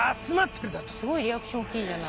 すごいリアクション大きいじゃない。